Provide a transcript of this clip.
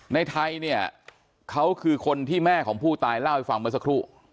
ในไทยเนี่ยเขาคือคนที่แม่ของผู้ตายเล่าให้ฟังเมื่อสักครู่